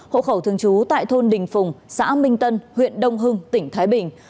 hộ khẩu thương chú tại thôn đình phùng xã minh tân huyện đông hưng tỉnh thái bình